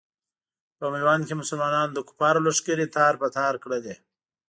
په میوند کې مسلمانانو د کفارو لښکرې تار په تار کړلې.